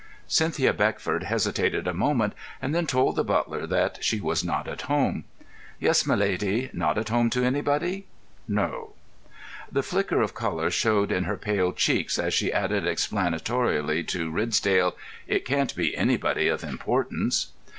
Cynthia Beckford hesitated a moment, and then told the butler that she was not at home. "Yes, my lady. Not at home to anybody?" "No." The flicker of colour showed in her pale cheeks as she added explanatorily to Ridsdale, "It can't be anybody of importance." Mr.